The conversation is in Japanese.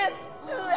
うわ